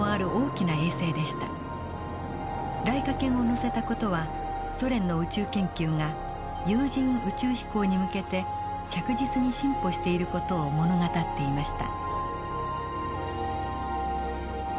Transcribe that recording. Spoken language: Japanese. ライカ犬を乗せた事はソ連の宇宙研究が有人宇宙飛行に向けて着実に進歩している事を物語っていました。